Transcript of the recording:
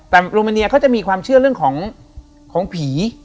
แต่โรแมเนียเขาจะมีความเชื่อเรื่องของผี